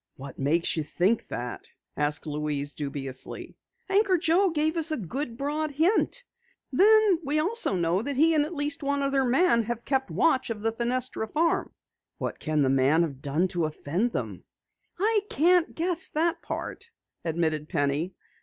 "What makes you think that?" Louise asked dubiously. "Anchor Joe gave us a good broad hint. Then we know that he and at least one other man have kept watch of the Fenestra farm." "What can the man have done to offend them?" "I can't guess that part," admitted Penny.